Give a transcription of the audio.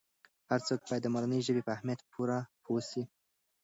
هر څوک باید د مورنۍ ژبې په اهمیت پوره پوه سي.